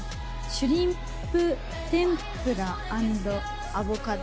シュリンプ天ぷら＆アボカド。